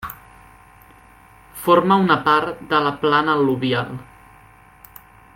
Forma una part de la plana al·luvial.